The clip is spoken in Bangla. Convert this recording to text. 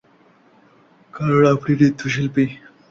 কারণ আপনি নৃত্যশিল্পী।